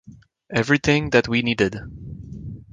Everything that we needed.